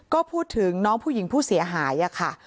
ก็พูดถึงน้องผู้หญิงผู้เสียหายค่ะ